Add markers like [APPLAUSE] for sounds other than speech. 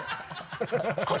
ハハハ [LAUGHS]